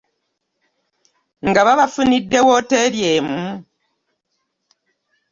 Nga babafunidde wooteeri emu?